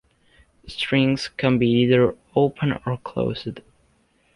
Strings can be either open or closed.